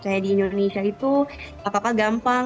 kayak di indonesia itu apa apa gampang